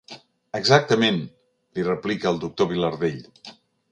Exactament —li replica el doctor Vilardell.